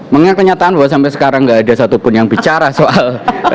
makanya kenyataan bahwa sampai sekarang nggak ada satupun yang bicara soal